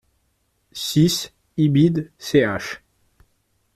six Ibid., ch.